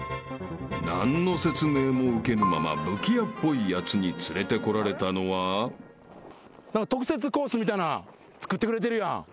［何の説明も受けぬまま武器屋っぽいやつに連れてこられたのは］みたいなんつくってくれてるやん。